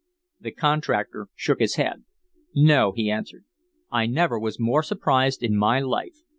The contractor shook his head. "No," he answered. "I never was more surprised in my life.